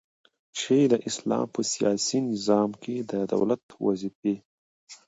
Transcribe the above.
چي د اسلام په سیاسی نظام کی د دولت وظيفي.